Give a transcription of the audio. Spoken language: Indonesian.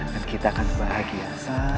dan kita akan bahagia selamanya